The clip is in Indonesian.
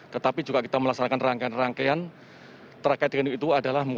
tetapi juga kita melaksanakan rangkaian rangkaian terkait dengan itu adalah